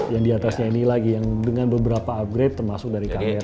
yang diatasnya ini lagi yang dengan beberapa upgrade termasuk dari ksp